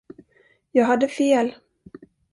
Jag hade fel!